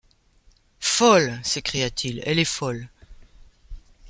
Folle !... s’écria-t-il, elle est folle